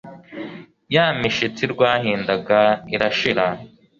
Ya mishitsi rwahindaga irashira